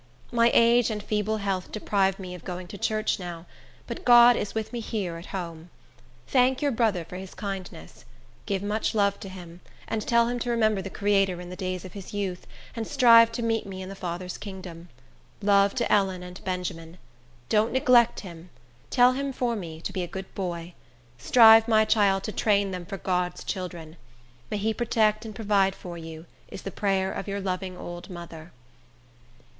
My age and feeble health deprive me of going to church now; but God is with me here at home. Thank your brother for his kindness. Give much love to him, and tell him to remember the Creator in the days of his youth, and strive to meet me in the Father's kingdom. Love to Ellen and Benjamin. Don't neglect him. Tell him for me, to be a good boy. Strive, my child, to train them for God's children. May he protect and provide for you, is the prayer of your loving old mother.